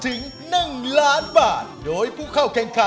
ถึงหนึ่งล้านบาท